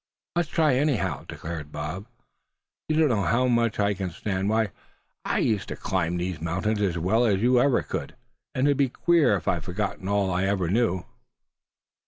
"Let's try, anyhow," declared Bob; "you don't know how much I can stand. Why, I used to climb these same mountains as well as you ever could; and it'd be queer if I'd forgot all I ever knew."